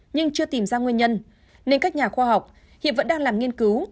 nhưng chưa tìm ra nguyên nhân nên các nhà khoa học hiện vẫn đang làm nghiên cứu